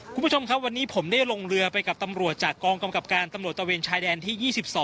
คุณผู้ชมครับวันนี้ผมได้ลงเรือไปกับตำรวจจากกองกำกับการตำรวจตะเวนชายแดนที่๒๒